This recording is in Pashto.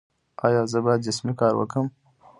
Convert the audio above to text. ایا زه باید جسمي کار وکړم؟